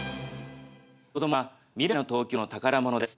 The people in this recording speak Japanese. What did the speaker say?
子どもは未来の東京の宝物です。